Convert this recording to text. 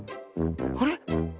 あれ？